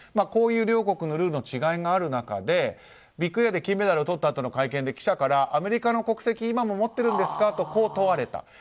こういう両国のルールの違いがある中でビッグエアで金メダルをとったあとの会見で記者からアメリカの国籍、今も持ってるんですかと問われた。